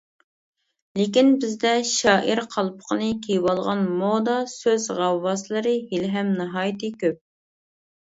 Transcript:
لېكىن بىزدە «شائىر» قالپىقىنى كىيىۋالغان مودا سۆز غەۋۋاسلىرى ھېلىھەم ناھايىتى كۆپ.